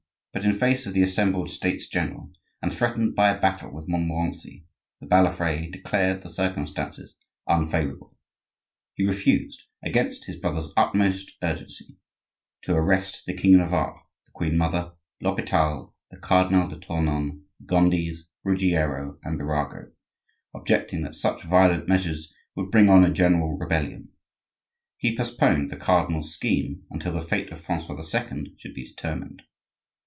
But, in face of the assembled States general, and threatened by a battle with Montmorency, the Balafre declared the circumstances unfavorable; he refused, against his brother's utmost urgency, to arrest the king of Navarre, the queen mother, l'Hopital, the Cardinal de Tournon, the Gondis, Ruggiero, and Birago, objecting that such violent measures would bring on a general rebellion. He postponed the cardinal's scheme until the fate of Francois II. should be determined.